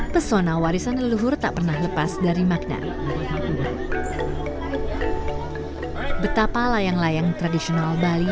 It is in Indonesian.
pesona warisan leluhur tak pernah lepas dari makna betapa layang layang tradisional bali